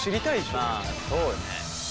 まあそうよね。